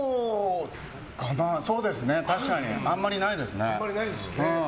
そうですね、確かにあんまりないですね。